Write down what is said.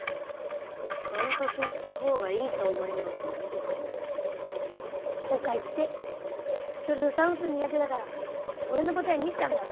ちゃんとすわったほうがいいと思います。とか言って悟算数にがてだからおれの答え見てたんだろ？